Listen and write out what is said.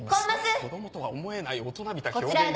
子供とは思えない大人びた表現力。